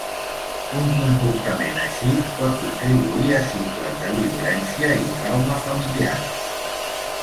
Un comportament així pot contribuir a cicles de violència i trauma familiars.